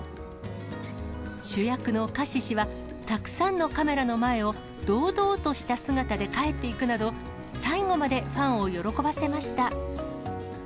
主役のカシシは、たくさんのカメラの前を堂々とした姿で帰っていくなど、最後までファンを喜ばせました。